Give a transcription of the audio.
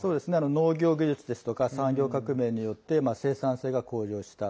農業技術ですとか産業革命によって生産性が向上した。